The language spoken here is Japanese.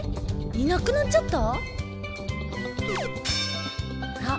いなくなっちゃった。